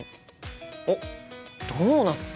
おっドーナツだ！